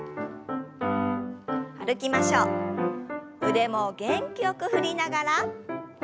腕も元気よく振りながら。